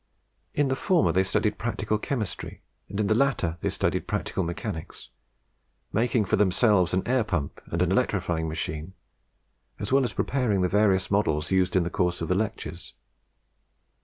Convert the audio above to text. In the former they studied practical chemistry, and in the latter they studied practical mechanics, making for themselves an air pump and an electrifying machine, as well as preparing the various models used in the course of the lectures.